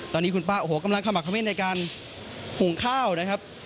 ตอนนี้คุณป้าโอ้โหกำลังขมักเม่นในการหุงข้าวนะครับ